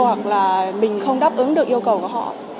hoặc là mình không đáp ứng được yêu cầu của họ